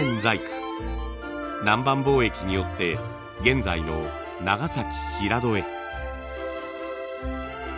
南蛮貿易によって現在の長崎平戸へ。